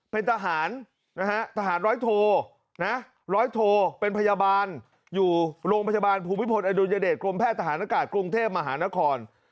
เป็นทหารนะฮะทหารร้อยโทนะร้อยโทเป็นพยาบาลอยู่โรงพยาบาลภูมิพลอดุลยเดชกรมแพทย์ทหารอากาศกรุงเทพมหานคร